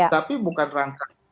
tapi bukan rangka